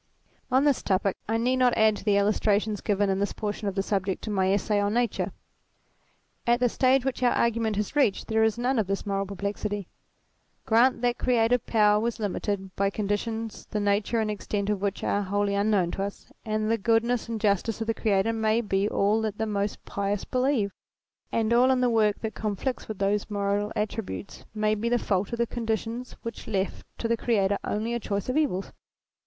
On this topic I need not add to the illustrations given of this portion of the subject in my Essay on Nature. At the stage which our argument has reached there is none of this moral perplexity. Grant that creative power was limited by conditions the nature and extent of which are wholly unknown to us, and the goodness and justice of the Creator may be all that the most pious believe ; and all in the work that conflicts with those moral attributes may be the fault of the conditions which left to the Creator only a choice of evils.